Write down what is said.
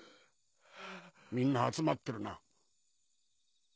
みんな集まってるな。